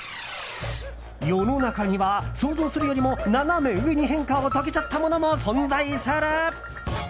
世の中には想像するよりもナナメ上に変化を遂げちゃったものも存在する！